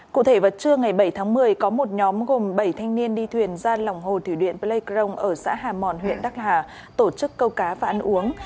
cụ thể vào trưa ngày bảy tháng một mươi có một nhóm gồm bảy thanh niên đi thuyền ra lòng hồ thủy điện pleikrong ở xã hà mòn huyện đắc hà tổ chức câu cá và ăn uống